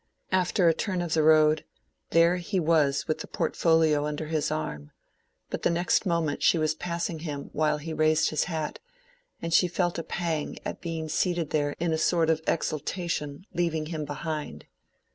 After a turn of the road, there he was with the portfolio under his arm; but the next moment she was passing him while he raised his hat, and she felt a pang at being seated there in a sort of exaltation, leaving him behind.